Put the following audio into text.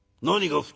「何？